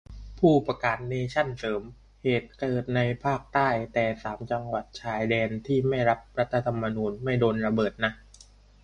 ผู้ประกาศเนชั่นเสริม เหตุเกิดในภาคใต้ แต่สามจังหวัดชายแดนที่ไม่รับรัฐธรรมนูญไม่โดนระเบิดนะ